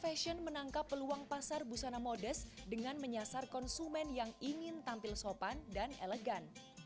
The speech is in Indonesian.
fashion menangkap peluang pasar busana modest dengan menyasar konsumen yang ingin tampil sopan dan elegan